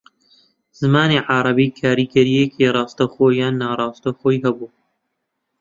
زمانی عەرەبی کاریگەرییەکی ڕاستەوخۆ یان ناڕاستەوخۆیی ھەبووە